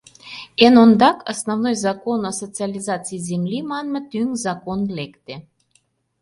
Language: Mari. Эн ондак «Основной закон о социализации земли» манме тӱҥ закон лекте.